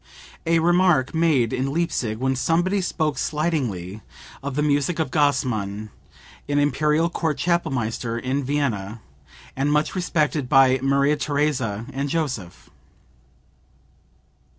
(A remark made in Leipsic when somebody spoke slightingly of the music of Gassmann, an Imperial Court Chapelmaster in Vienna, and much respected by Maria Theresa and Joseph.)